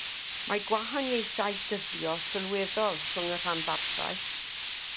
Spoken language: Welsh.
Mae gwahaniaethau dyddio sylweddol rhwng y rhanbarthau.